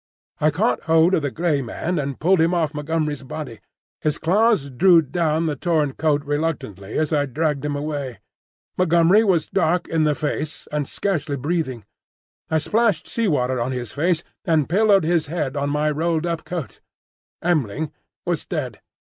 I caught hold of the grey man and pulled him off Montgomery's body; his claws drew down the torn coat reluctantly as I dragged him away. Montgomery was dark in the face and scarcely breathing. I splashed sea water on his face and pillowed his head on my rolled up coat. M'ling was dead.